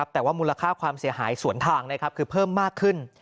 แต่ว่ามูลค่าความเสียหายสวนทางคือเพิ่มมากขึ้น